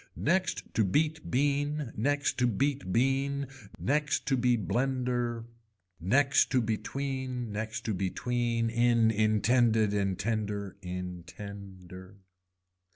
Next to beat bean, next to beat bean next to be blender, next to between, next to between in intend intender. In tender.